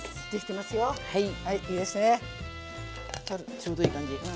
ちょうどいい感じ。